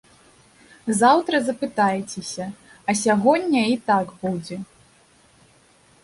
Заўтра запытаецеся, а сягоння і так будзе.